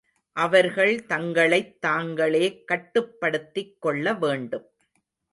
அவர்கள் தங்களைத் தாங்களே கட்டுப்படுத்திக் கொள்ளவேண்டும்.